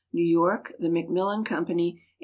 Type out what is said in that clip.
New York : The Macmillan Company. 1897.